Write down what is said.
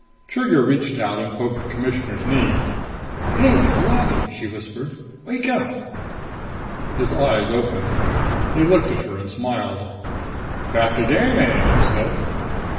Trigger reached out and poked the Commissioner's knee. "Hey, Holati!" she whispered. "Wake up." His eyes opened. He looked at her and smiled. "Back again, eh?" he said.